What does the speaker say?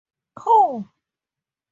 Who?